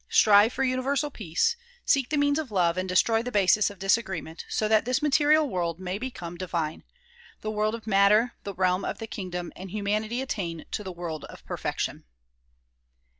Strive for Universal Peace, seek the means of love and destroy the basis of disagreement so that this material world may become divine, the world of matter the realm of the kingdom and humanity attain to the world of perfection.